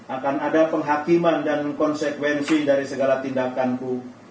akan ada penghakiman dan konsekuensi dari segala tindakanku